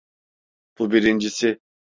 Bu birincisi.